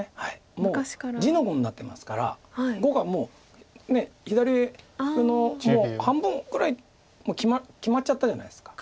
もう地の碁になってますから碁が左上のもう半分ぐらい決まっちゃったじゃないですか。